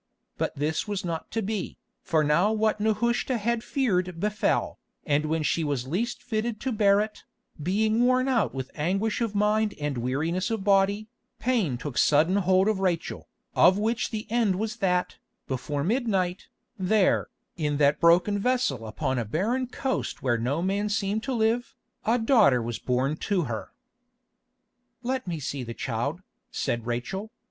But this was not to be, for now what Nehushta had feared befell, and when she was least fitted to bear it, being worn out with anguish of mind and weariness of body, pain took sudden hold of Rachel, of which the end was that, before midnight, there, in that broken vessel upon a barren coast where no man seemed to live, a daughter was born to her. "Let me see the child," said Rachel.